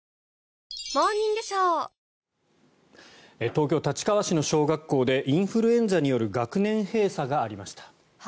東京・立川市の小学校でインフルエンザによる学年閉鎖がありました。